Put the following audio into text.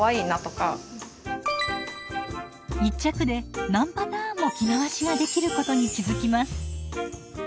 １着で何パターンも着回しができることに気付きます。